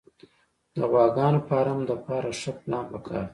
د غواګانو فارم دپاره ښه پلان پکار دی